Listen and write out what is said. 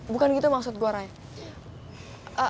bukan gitu maksud gue ray